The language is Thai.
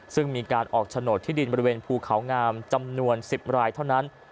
ซึ่งมีการออกโฉนดที่ดินบริเวณภูเขางามจำนวน๑๐รายเท่านั้น